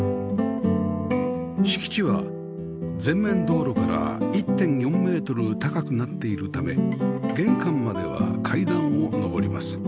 敷地は前面道路から １．４ メートル高くなっているため玄関までは階段を上ります